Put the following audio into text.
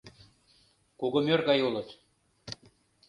Кугымӧр гай улыт.